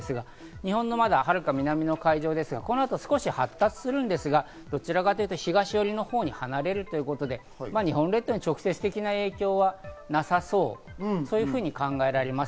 日本のまだはるか南の海上ですが、この後、発達するんですが、どちらかと東寄りに離れるということで、日本列島に直接的な影響はなさそうと考えられます。